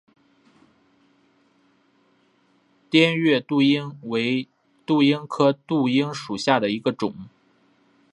滇越杜英为杜英科杜英属下的一个种。